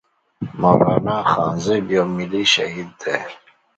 مولانا خانزيب يو ملي شهيد دی